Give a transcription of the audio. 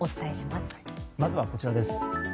まずは、こちらです。